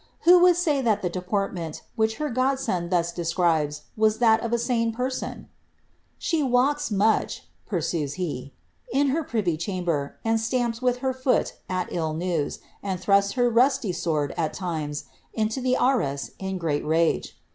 Who would say that the deportment, which her gods describes, was that of a sane person r —■• Slie walks much," pur ■' in her privy cli amber, and stamps with her foot at ill news, an( her rusty sword, at times, into ilie arras, in great rage.